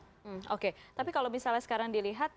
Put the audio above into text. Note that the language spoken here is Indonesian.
hmm oke tapi kalau misalnya sekarang dilihat